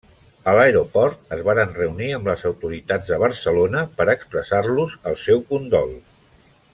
A l'aeroport es varen reunir amb les autoritats de Barcelona per expressar-los el seu condol.